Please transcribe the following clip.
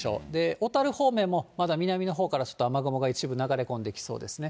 小樽方面もまだ南のほうから、ちょっと雨雲が一部流れ込んできそうですね。